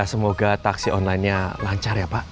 semoga taksi online nya lancar ya pak